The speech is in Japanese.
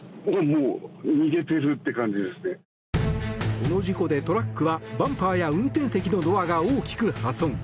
この事故で、トラックはバンパーや運転席のドアが大きく破損。